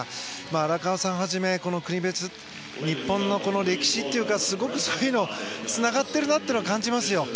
荒川さんはじめ国別、日本の歴史というかすごくそういうのがつながってるなと感じますよ。